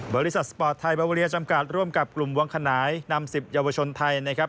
บริษัทสปอร์ตไทยบาเวอเรียจำกัดร่วมกับกลุ่มวังขนายนำ๑๐เยาวชนไทยนะครับ